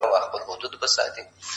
هره هڅه د راتلونکي بنسټ پیاوړی کوي’